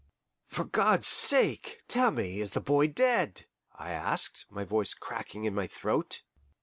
"For God's sake, tell me, is the boy dead?" I asked, my voice cracking in my throat.